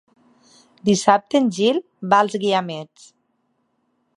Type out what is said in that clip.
Dissabte en Gil va als Guiamets.